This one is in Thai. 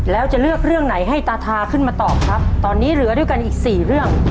แล้วจะเลือกเรื่องไหนให้ตาทาขึ้นมาตอบครับตอนนี้เหลือด้วยกันอีกสี่เรื่อง